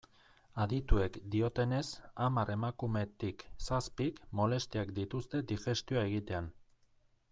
Adituek diotenez, hamar emakumetik zazpik molestiak dituzte digestioa egitean.